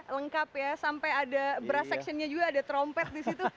lengkap ya sampai ada bras sectionnya juga ada trompet disitu